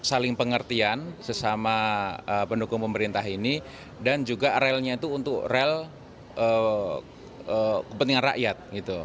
saling pengertian sesama pendukung pemerintah ini dan juga relnya itu untuk rel kepentingan rakyat